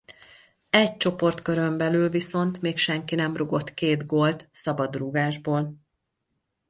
Egy csoportkörön belül viszont még senki nem rúgott két gólt szabadrúgásból.